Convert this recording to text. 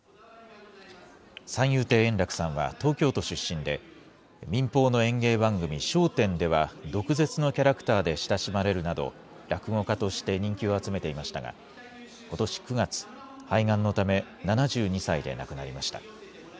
三遊亭円楽さんは東京都出身で、民放の演芸番組、笑点では、毒舌のキャラクターで親しまれるなど、落語家として人気を集めていましたが、ことし９月、肺がんのため、７２歳で亡くなりました。